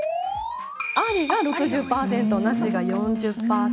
ありが６０％、なしが４０％。